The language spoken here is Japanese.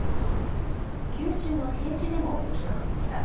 九州の平地でも雪となりました。